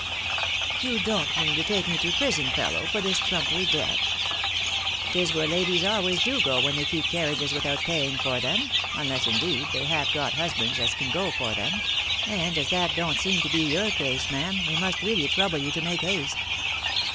"You don't mean to take me to prison, fellow, for this trumpery debt ?" tc 'Tis where ladies always do go when they keep carriages without paying for them, unless, indeed, they have got hus bands as can go for them; and as that don't seem to be your case, ma'am, we must really trouble you to make haste."